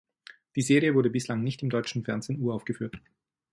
Die Serie wurde bislang nicht im deutschen Fernsehen uraufgeführt.